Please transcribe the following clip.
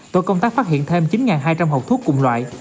tổ công tác phát hiện thêm chín hai trăm linh hộp thuốc cùng loại